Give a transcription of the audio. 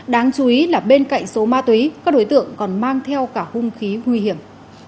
đáng chú ý là bên cạnh số ma túy các đối tượng còn mang theo cả hung khí nguy hiểm